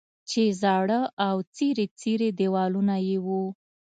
چې زاړه او څیري څیري دیوالونه یې وو.